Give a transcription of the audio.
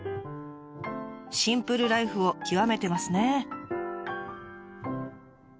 シンプルライフを極めてますね。